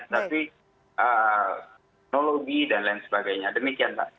tapi teknologi dan lain sebagainya demikian pak